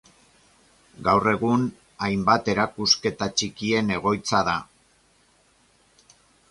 Gaur egun hainbat erakusketa txikien egoitza da.